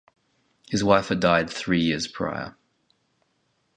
His wife had died three years prior.